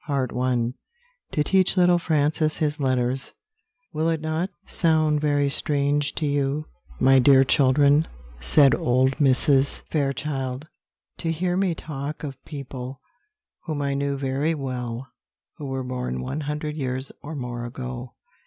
Part I. [Illustration: To teach little Francis his letters] "Will it not sound very strange to you, my dear children," said old Mrs. Fairchild, "to hear me talk of people, whom I knew very well, who were born one hundred years or more ago?